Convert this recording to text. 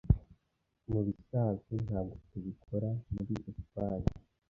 Mubisanzwe, ntabwo tubikora muri Espagne.